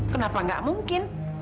kenapa tidak mungkin